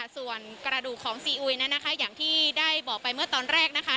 ส่วนกระดูกของซีอุยนั้นนะคะอย่างที่ได้บอกไปเมื่อตอนแรกนะคะ